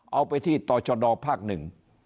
เอาไปที่ตรชดภหนึ่ง